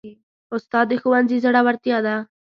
استاد د ښوونځي زړورتیا ده.